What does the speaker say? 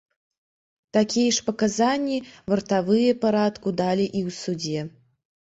Такія ж паказанні вартавыя парадку далі і ў судзе.